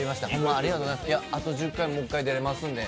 あと１０回、もう一回、出ますので。